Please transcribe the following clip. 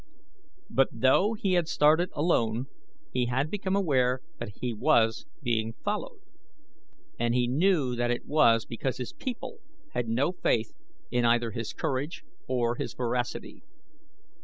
But though he had started alone he had become aware that he was being followed, and he knew that it was because his people had no faith in either his courage or his veracity.